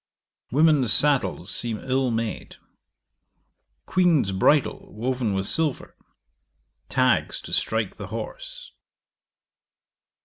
'Women's saddles seem ill made. Queen's bridle woven with silver. Tags to strike the horse.